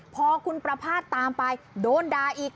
พอคุณประพาทตามไปโดนด่าอีก